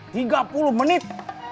tiga puluh menit